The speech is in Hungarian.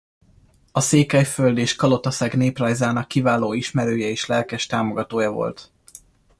A Székelyföld és Kalotaszeg néprajzának kiváló ismerője és lelkes támogatója volt.